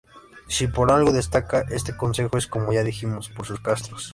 Si por algo destaca este concejo es, como ya dijimos, por sus castros.